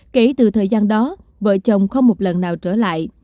kể từ thời gian đó vợ chồng không một lần nào trở lại